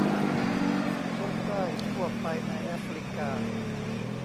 พบได้ทั่วไปในแอฟริกา